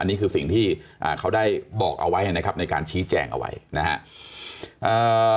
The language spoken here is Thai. นี่คือสิ่งที่อ่าเขาได้บอกเอาไว้นะครับในการชี้แจงเอาไว้นะฮะ